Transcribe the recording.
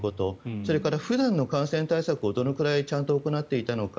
それから普段の感染対策をどれくらいちゃんと行っていたのか。